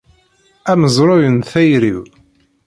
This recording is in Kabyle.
Amezruy n tayri-w.